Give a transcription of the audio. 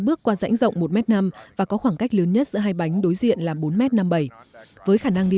bước qua rãnh rộng một năm m và có khoảng cách lớn nhất giữa hai bánh đối diện là bốn năm mươi bảy m với khả năng đi